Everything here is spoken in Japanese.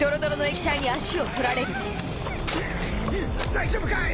大丈夫かい？